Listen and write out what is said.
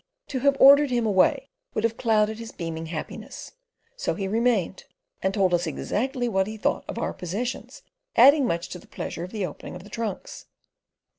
To have ordered him away would have clouded his beaming happiness; so he remained, and told us exactly what he thought of our possessions, adding much to the pleasure of the opening of the trunks.